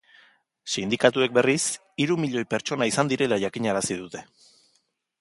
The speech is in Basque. Sindikatuek, berriz, hiru milioi pertsona izan direla jakinarazi dute.